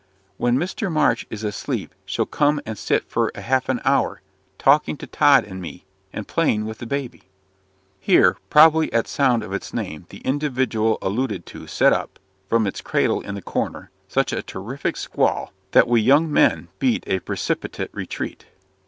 "When Mr. March is asleep she'll come and sit for half an hour, talking to Tod and me; and playing with the baby " Here, probably at sound of its name, the individual alluded to set up, from its cradle in the corner, such a terrific squall, that we young men beat a precipitate retreat.